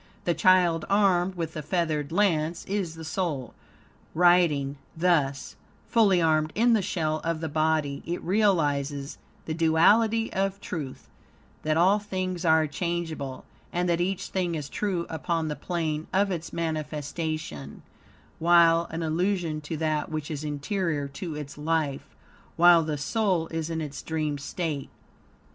The child, armed with the feathered lance, is the soul; riding thus, fully armed, in the shell of the body, it realizes the duality of truth; that all things are changeable; and that each thing is true upon the plane of its manifestation, while an illusion to that which is interior to its life, while the soul is in its dream state.